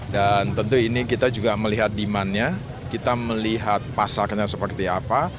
dan tentu ini kita juga melihat demand nya kita melihat pasarnya seperti apa